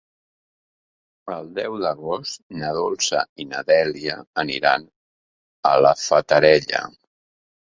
El deu d'agost na Dolça i na Dèlia aniran a la Fatarella.